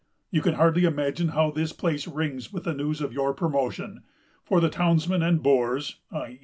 "You can hardly imagine how this place rings with the news of your promotion, for the townsmen and boors (_i.